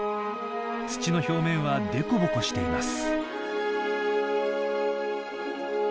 土の表面はでこぼこしています。